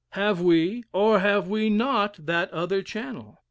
Have we or have we not that other channel?